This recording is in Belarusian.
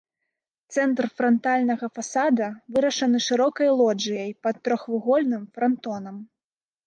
Цэнтр франтальнага фасада вырашаны шырокай лоджыяй пад трохвугольным франтонам.